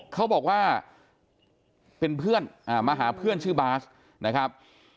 เขาบอกว่าเป็นเพื่อนมาหาเพื่อนชื่อบาสนะครับ